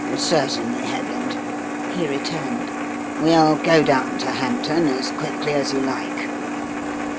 "Certainly, Headland," he returned. "We'll go down to Hampton as quickly as you like."